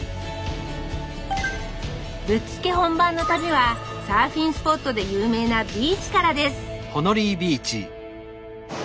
ぶっつけ本番の旅はサーフィンスポットで有名なビーチからです